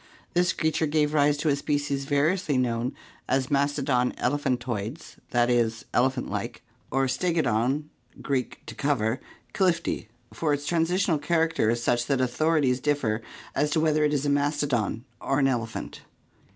This creature gave rise to a species variously known as Mastodon elephantoides (i. £., elephant like) or Stegodon (Gr. areyew, to cover) difti, for its transitional character is such that authorities differ as to whether it is a mastodon or an elephant.